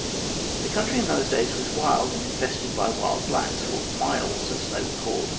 The country in those days was wild and infested by wild blacks or ' myalls,' as they were called.